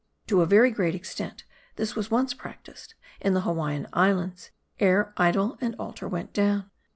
To a very great extent, this was once practiced in the VOL. i.. L 242 M A R D I. Hawaiian Islands, ere idol and altar went down.